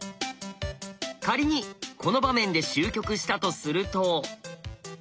仮にこの場面で終局したとすると。